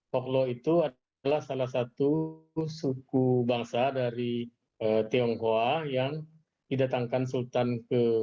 hoklopan adalah salah satu suku bangsa dari tionghoa yang didatangkan sultan ke bangka